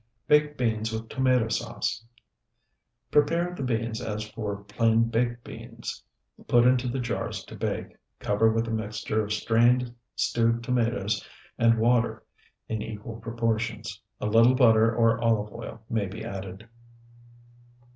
BAKED BEANS WITH TOMATO SAUCE Prepare the beans as for plain baked beans; put into the jars to bake; cover with a mixture of strained stewed tomatoes and water in equal proportions; a little butter or olive oil may be added.